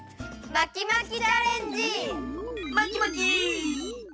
まきまき！